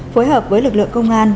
phối hợp với lực lượng công an